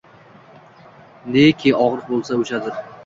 Neki ogʼriq boʼlsa, oʼshadir.